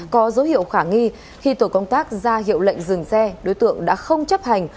có dấu hiệu khả nghi khi tổ công tác ra hiệu lệnh dừng xe đối tượng đã không chấp hành